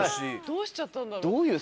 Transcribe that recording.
どうしちゃったんだろう？